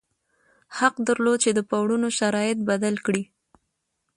حق درلود چې د پورونو شرایط بدل کړي.